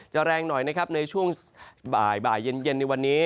แรงหน่อยนะครับในช่วงบ่ายเย็นในวันนี้